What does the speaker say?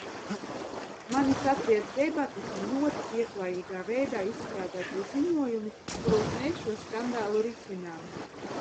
Mani satriec debates un ļoti pieklājīgā veidā izstrādātie ziņojumi, kuros mēs šo skandālu risinām.